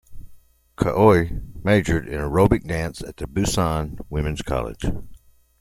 Choi majored in aerobic dance at Busan Women's College.